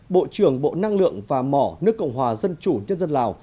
bộ trưởng bộ năng lượng và mỏ nước cộng hòa dân chủ nhân dân lào